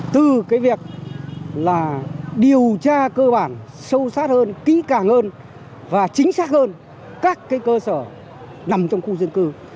điều đó là điều tra cơ bản sâu sát hơn kỹ càng hơn và chính xác hơn các cơ sở nằm trong khu dân cư